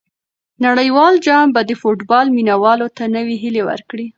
نړیوال جام به د فوټبال مینه والو ته نوې هیلې ورکړي.